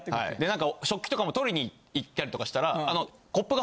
なんか食器とかも取りに行ったりとかしたら。